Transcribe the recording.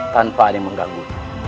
tanpa ada yang mengganggu